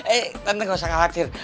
eh tante gak usah khawatir